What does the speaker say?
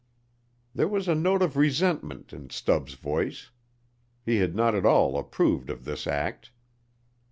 There was a note of resentment in Stubbs' voice. He had not at all approved of this act.